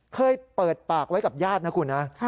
เคยเปิดปากไว้กับญาตินะคุณนะ